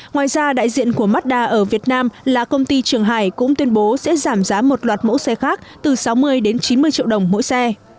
ngoài ra đại diện của mazda ở việt nam là công ty trường hải cũng tuyên bố sẽ giảm giá một loạt mẫu xe khác từ sáu mươi đến chín mươi triệu đồng mỗi xe